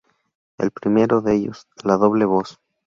El primero de ellos, —"La doble voz.